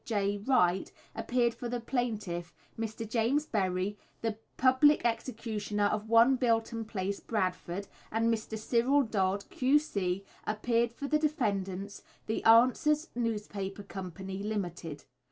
J. Wright) appeared for the plaintiff, Mr. James Berry, the public executioner, of 1, Bilton Place, Bradford; and Mr. Cyril Dodd, Q.C., appeared for the defendants, the "Answers" Newspaper Company, Limited.